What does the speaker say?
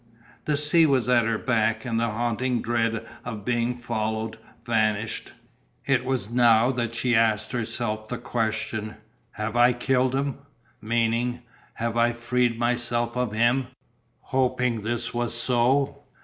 The sea was at her back and the haunting dread of being followed vanished. It was now that she asked herself the question: "Have I killed him?" Meaning: "Have I freed myself of him," hoping this was so.